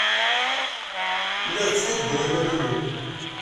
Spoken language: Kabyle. Lliɣ ttḥudduɣ iman-inu.